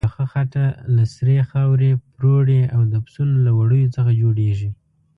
پخه خټه له سرې خاورې، پروړې او د پسونو له وړیو څخه جوړیږي.